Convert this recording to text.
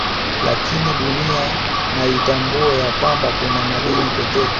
Lakini Dunia na itambue ya kwanba kuna madini pekee